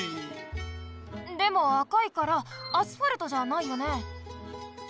でも赤いからアスファルトじゃないよね？